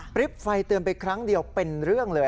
ริปไฟเตือนไปครั้งเดียวเป็นเรื่องเลย